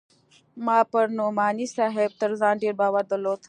ما پر نعماني صاحب تر ځان ډېر باور درلود.